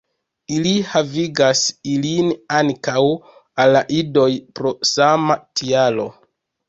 Ili havigas ilin ankaŭ al la idoj pro sama tialo.